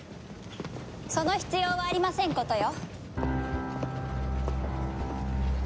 その必要はありませんことよ。